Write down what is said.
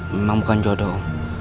memang bukan jodoh